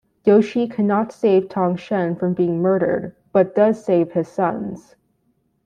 Yoshi cannot save Tang Shen from being murdered, but does save his sons.